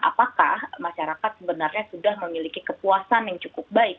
apakah masyarakat sebenarnya sudah memiliki kepuasan yang cukup baik